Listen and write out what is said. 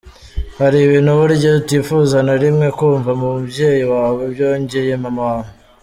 Hari ibintu burya utifuza na rimwe kumva ku mubyeyi wawe, byongeye mama wawe.